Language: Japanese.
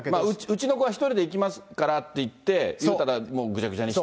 うちの子は１人で行きますからっていって、行ったら、ぐちゃぐちゃにして。